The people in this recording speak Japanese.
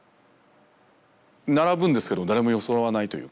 並ぶんですけど誰もよそわないというか。